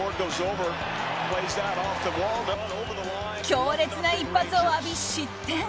強烈な一発を浴び、失点。